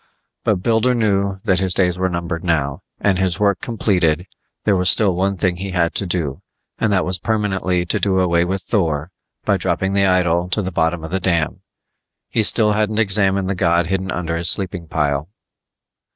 But Builder knew that his days were numbered now, and his work completed; there was still one thing he had to do, and that was permanently to do away with Thor by dropping the idol to the bottom of the dam; he still hadn't examined the god hidden under his sleeping pile.